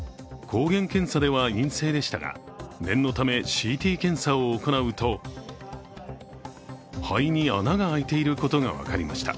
抗原検査では陰性でしたが、念のためＣＴ検査を行うと肺に穴があいていることが分かりました。